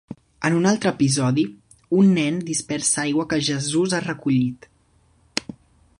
En un altre episodi, un nen dispersa aigua que Jesus ha recollit.